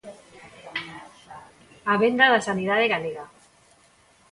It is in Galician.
'A venda da sanidade galega'.